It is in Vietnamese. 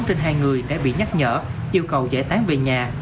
trên hai người đã bị nhắc nhở yêu cầu giải tán về nhà